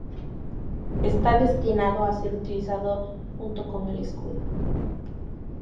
Está destinado a ser utilizado junto con el escudo.